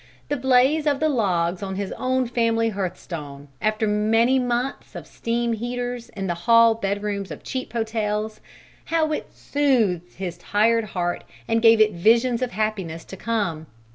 The blaze of the logs on his own family hearth stone, after many months of steam heaters in the hall bedrooms of cheap hotels, how it soothed his tired heart and gave it visions of happiness to come!